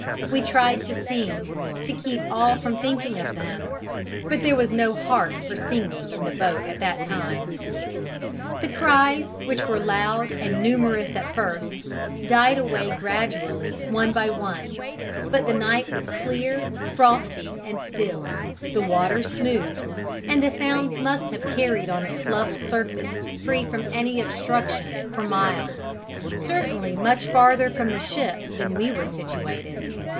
We tried to sing to keep all from thinking of them; but there was no heart for singing in the boat at that time. The cries, which were loud and numerous at first, died away gradually one by one, but the night was clear, frosty and still, the water smooth, and the sounds must have carried on its level surface free from any obstruction for miles, certainly much farther from the ship than we were situated.